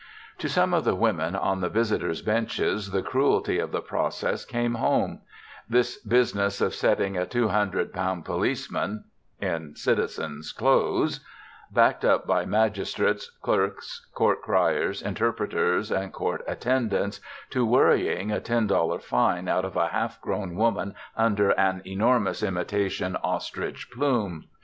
To some of the women on the visitors' benches the cruelty of the process came home: this business of setting a two hundred pound policeman in citizen's clothes, backed up by magistrates, clerks, court criers, interpreters, and court attendants, to worrying a ten dollar fine out of a half grown woman under an enormous imitation ostrich plume.